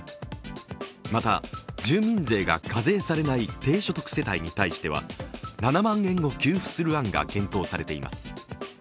また、住民税が課税されない低所得世帯に対しては７万円を給付する案が検討されています。